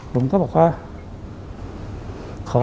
ผมก็บอกว่า